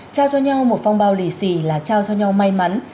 trao cho nhau một phong bao lì xì là trao cho nhau may mắn